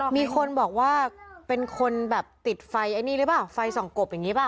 มีคนบอกว่าเป็นคนแบบติดไฟไอ้นี่หรือเปล่าไฟส่องกบอย่างนี้ป่